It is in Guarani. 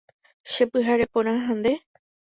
Chepyhare porã ha nde.